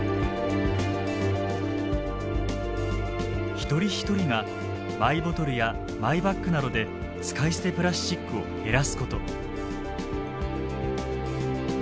一人一人がマイボトルやマイバッグなどで使い捨てプラスチックを減らすこと。